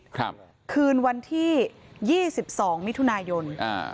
คืนวันที่๒๒มิถุนายน